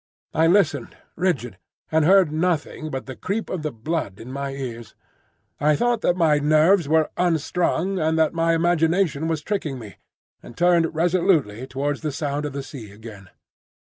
I listened, rigid, and heard nothing but the creep of the blood in my ears. I thought that my nerves were unstrung, and that my imagination was tricking me, and turned resolutely towards the sound of the sea again.